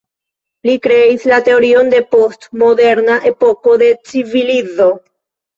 Li kreis la teorion de post-moderna epoko de civilizo.